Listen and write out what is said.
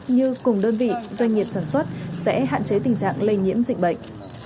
như cùng đơn vị doanh nghiệp sản xuất sẽ hạn chế tình trạng lây nhiễm dịch bệnh